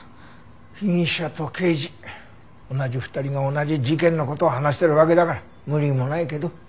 被疑者と刑事同じ２人が同じ事件の事を話してるわけだから無理もないけど。